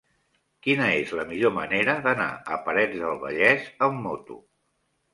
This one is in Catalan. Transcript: Quina és la millor manera d'anar a Parets del Vallès amb moto?